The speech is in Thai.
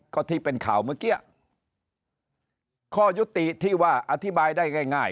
ก็ที่เป็นข่าวเมื่อกี้ข้อยุติที่ว่าอธิบายได้ง่ายง่าย